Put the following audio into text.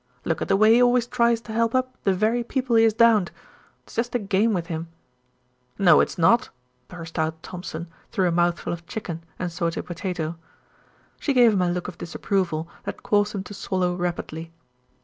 "Look at the way he always tries to help up the very people he has downed. It's just a game with him " "No, it's not," burst out Thompson, through a mouthful of chicken and sauté potato. She gave him a look of disapproval that caused him to swallow rapidly.